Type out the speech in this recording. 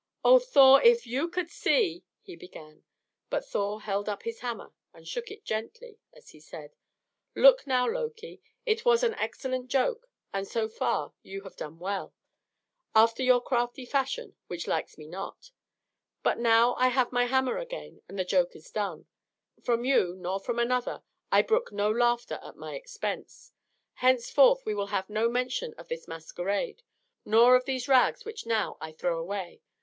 "Oh, Thor! if you could see " he began; but Thor held up his hammer and shook it gently as he said: "Look now, Loki: it was an excellent joke, and so far you have done well after your crafty fashion, which likes me not. But now I have my hammer again, and the joke is done. From you, nor from another, I brook no laughter at my expense. Henceforth we will have no mention of this masquerade, nor of these rags which now I throw away.